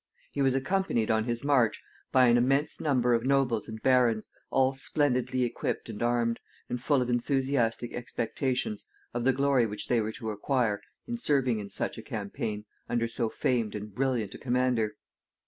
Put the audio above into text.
He was accompanied on his march by an immense number of nobles and barons, all splendidly equipped and armed, and full of enthusiastic expectations of the glory which they were to acquire in serving in such a campaign, under so famed and brilliant a commander.